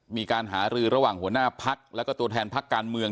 มีการหารือระหว่างหัวหน้าพักแล้วก็ตัวแทนพักการเมือง